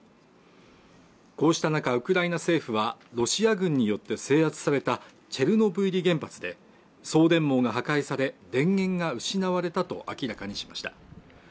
こうした中ウクライナ政府はロシア軍によって制圧されたチェルノブイリ原発で送電網が破壊され電源が失われたと明らかにしました